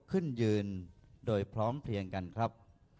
ขึ้นยืนโดยพร้อมเพลียงกันครับ